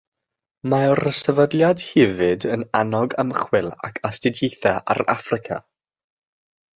Mae'r Sefydliad hefyd yn annog ymchwil ac astudiaethau ar Affrica.